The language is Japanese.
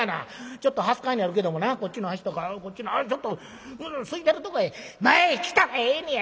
ちょっとはすかいにあるけどもなこっちの端とかこっちのちょっとすいてるとこへ前へ来たらええねや！